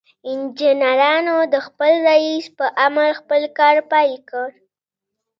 انجنيرانو د خپل رئيس په امر خپل کار پيل کړ.